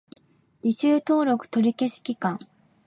履修登録取り消し期間